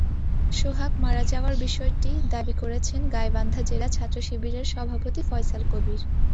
সোহাগ মারা যাওয়ার বিষয়টি দাবি করেছেন গাইবান্ধা জেলা ছাত্রশিবিরের সভাপতি ফয়সাল কবীর।